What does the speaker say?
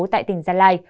tại tỉnh gia lai